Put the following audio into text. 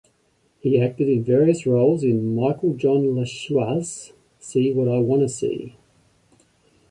He acted in various roles in Michael John LaChiusa's "See What I Wanna See".